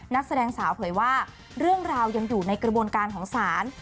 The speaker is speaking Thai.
นักแสดงสาวเผยว่าเรื่องราวยังอยู่ในกระบวนการของศาล